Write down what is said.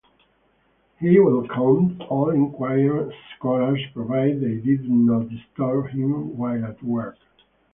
He welcomed all inquiring scholars, provided they did not disturb him while at work.